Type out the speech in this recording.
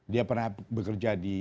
dia pernah bekerja di